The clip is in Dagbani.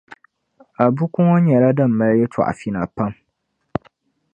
A buku ŋɔ nyɛla din mali yɛltɔɣa fina pam.